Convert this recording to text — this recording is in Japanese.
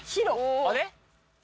あれ？